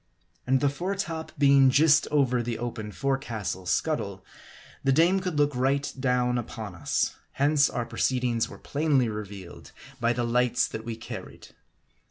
And the fore top being just over the open forecastle scuttle, the dame could look right down upon us ; hence our pro ceedings were plainly revealed by the lights that we carried.